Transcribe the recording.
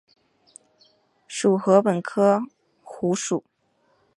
属禾本科菰属。